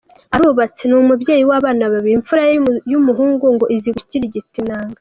Arubatse, ni umubyeyi w’abana babiri, imfura ye y’umuhungu ngo izi gukirigita inanga.